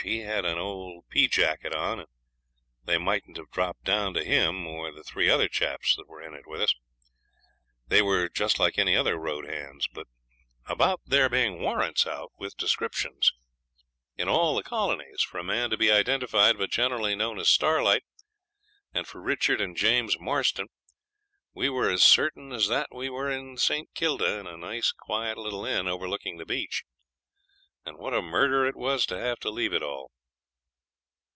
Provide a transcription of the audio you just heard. He had an old pea jacket on, and they mightn't have dropped down to him or the three other chaps that were in it with us; they were just like any other road hands. But about there being warrants out, with descriptions, in all the colonies, for a man to be identified, but generally known as Starlight, and for Richard and James Marston, we were as certain as that we were in St. Kilda, in a nice quiet little inn, overlooking the beach; and what a murder it was to have to leave it at all.